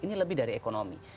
ini lebih dari ekonomi